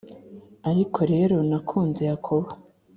Ariko rero nakunze Yakobo